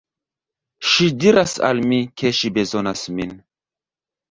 Ŝi diras al mi, ke ŝi bezonas min.